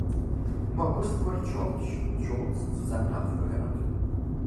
Im August wurde George Jones zu seinem Nachfolger ernannt.